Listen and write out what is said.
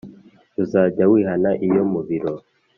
Uzajya wihina iyo mu biro